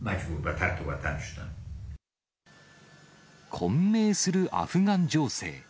混迷するアフガン情勢。